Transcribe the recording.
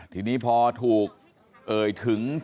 ทีนี้พอถูกเอ่ยถึง